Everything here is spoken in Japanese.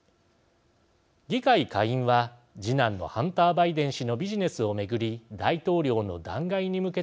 議会下院は次男のハンター・バイデン氏のビジネスを巡り大統領の弾劾に向けた調査を開始。